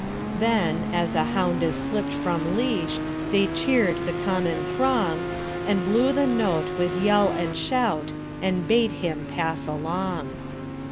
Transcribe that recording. Then, as a hound is slipp'd from leash, They cheer'd the common throng, And blew the note with yell and shoutAnd bade him pass along.